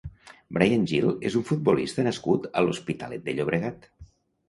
Bryan Gil és un futbolista nascut a l'Hospitalet de Llobregat.